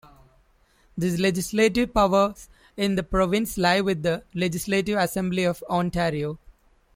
The legislative powers in the province lie with the Legislative Assembly of Ontario.